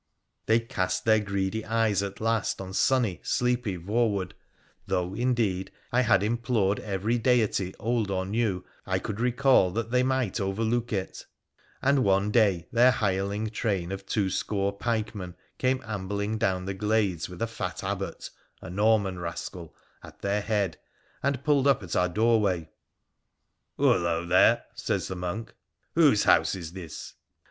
They cast their greedy eyes at last on sunny, sleepy Voewood, though, indeed, I had implored every deity, old or new, I could recall that they might overlook it ; and one day their hireling train of two score pikemen came ambling down the glades with a fat Abbot — a Norman rascal — at their head, and pulled up at our doorway. ' Hullo, there !' says the monk. ' Whose house is this